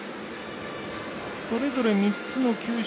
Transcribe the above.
それぞれ、３つの球種。